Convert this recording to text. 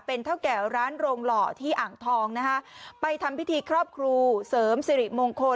เป็นเท่าแก่ร้านโรงหล่อที่อ่างทองนะฮะไปทำพิธีครอบครูเสริมสิริมงคล